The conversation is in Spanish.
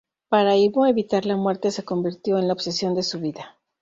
Para Ivo, evitar la muerte se convirtió en la obsesión de su vida.